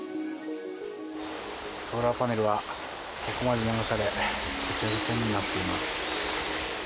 ソーラーパネルはここまで流されぐちゃぐちゃになっています。